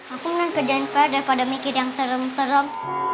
aku menang kejadian perihal daripada mikir yang serem serem